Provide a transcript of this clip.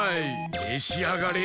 めしあがれ！